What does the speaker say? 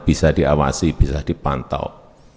bisa diawasi bisa dipantau